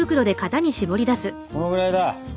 このぐらいか！